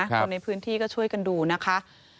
คนในพื้นที่ก็ช่วยกันดูนะคะ